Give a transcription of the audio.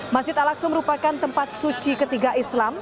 masjid al aqsa merupakan tempat suci ketiga islam